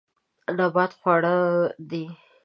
نبات خواړه دي.